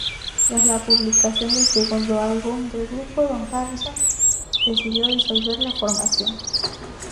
Tras la publicación del segundo álbum del grupo, Don Harrison decidió disolver la formación.